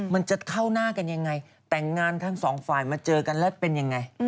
มันจะเข้าหน้ากันยังไงแต่งงานทั้งสองฝ่ายมาเจอกันแล้วเป็นยังไง